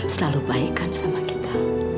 selalu baikkan sama kita